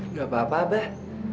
nggak apa apa abah